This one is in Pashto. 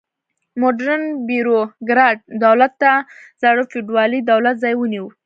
موډرن بیروکراټ دولت د زاړه فیوډالي دولت ځای ونیو.